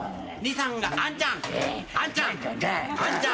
あんちゃん！